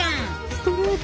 ストレート。